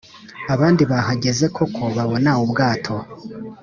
abandi bahageze koko babona ubwato